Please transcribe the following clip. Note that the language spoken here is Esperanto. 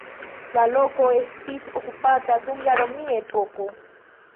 La loko estis okupata dum la romia epoko.